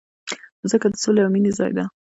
مځکه د سولې او مینې ځای ده.